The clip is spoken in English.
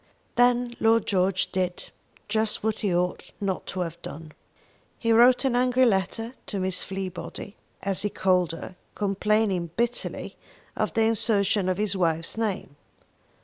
Then Lord George did just what he ought not to have done. He wrote an angry letter to Miss Fleabody, as he called her, complaining bitterly of the insertion of his wife's name.